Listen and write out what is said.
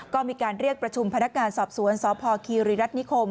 ก็มีการเรียกประชุมพนักงานสอบสวนสพคีรีรัฐนิคม